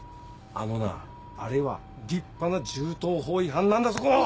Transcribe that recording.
あのなあれは立派な銃刀法違反なんだぞこの！